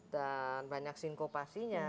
dan banyak sinkopasinya